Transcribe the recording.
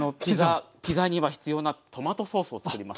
ピザには必要なトマトソースをつくります。